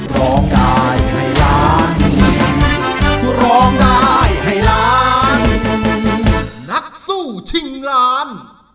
ร้องได้ให้ล้านร้องได้ให้ล้านนักสู้ชิงล้าน